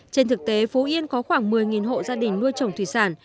trên thực tế phú yên có khoảng một mươi hộ gia đình nuôi trồng thủy sản